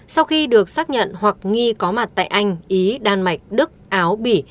sau khi được xác nhận hoặc nghi có mặt tại anh ý đan mạch đức áo bỉ